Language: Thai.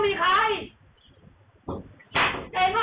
อ้าผู้โดนอะ